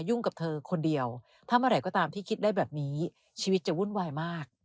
กับเธอคนเดียวถ้าเมื่อไหร่ก็ตามที่คิดได้แบบนี้ชีวิตจะวุ่นวายมาก